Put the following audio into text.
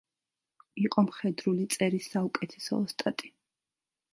იყო მხედრული წერის საუკეთესო ოსტატი.